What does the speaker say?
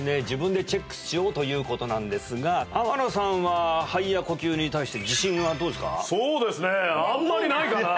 自分でチェックしようということなんですが天野さんは肺や呼吸に対して自信はどうですか？